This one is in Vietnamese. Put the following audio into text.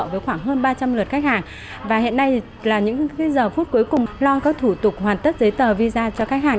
với khoảng hơn ba trăm linh lượt khách hàng và hiện nay là những giờ phút cuối cùng lo các thủ tục hoàn tất giấy tờ visa cho khách hàng